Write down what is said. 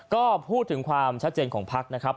ก็พูดถึงความชัดเจนของพักนะครับ